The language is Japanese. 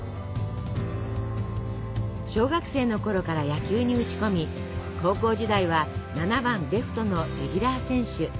小学生のころから野球に打ち込み高校時代は７番レフトのレギュラー選手。